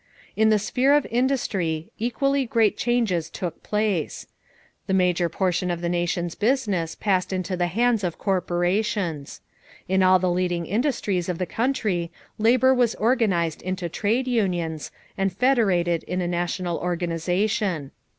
In the sphere of industry, equally great changes took place. The major portion of the nation's business passed into the hands of corporations. In all the leading industries of the country labor was organized into trade unions and federated in a national organization.